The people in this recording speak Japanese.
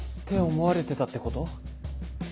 思われてたってこと？